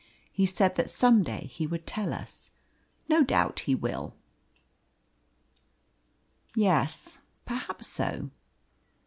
He said that some day he would tell us; no doubt he will." "Yes; perhaps so."